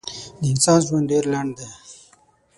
د انسان ژوند ډېر لنډ دی.